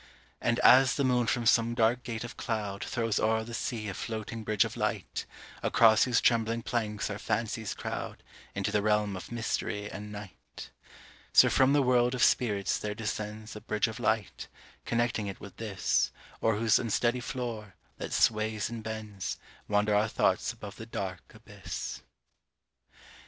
And as the moon from some dark gate of cloud Throws o'er the sea a floating bridge of light, Across whose trembling planks our fancies crowd Into the realm of mystery and night, So from the world of spirits there descends A bridge of light, connecting it with this, O'er whose unsteady floor, that sways and bends, Wander our thoughts above the dark abyss.